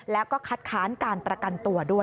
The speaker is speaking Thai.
แล้วก็คัดค้านการประกันตัวด้วย